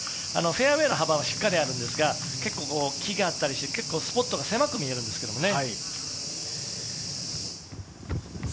フェアウエーの幅がしっかりあるんですが、木があったりしてスポットが狭く見えるんですよね。